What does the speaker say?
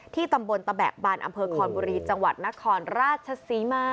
ตำบลตะแบกบันอำเภอคอนบุรีจังหวัดนครราชศรีมา